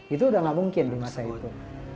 itu udah gak mungkin di masa itu